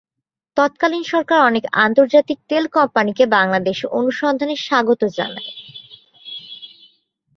তৎকালীন সরকার অনেক আন্তর্জাতিক তেল কোম্পানিকে বাংলাদেশে অনুসন্ধানে স্বাগত জানায়।